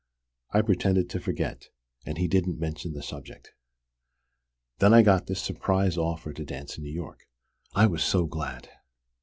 I pretended to forget, and he didn't mention the subject. Then I got this surprise offer to dance in New York. I was so glad!